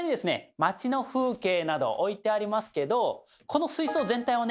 町の風景など置いてありますけどこの水槽全体をね